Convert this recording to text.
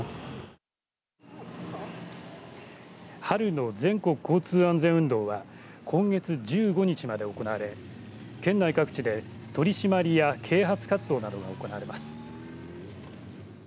春の全国交通安全運動は今月１５日まで行われ県内各地で取締りや啓発活動などが行われます。